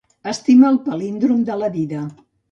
Estima el palíndrom de la dida.